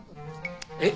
えっ！？